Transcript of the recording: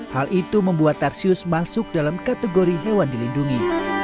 hal itu membuat tarsius masuk dalam kategori hewan dilindungi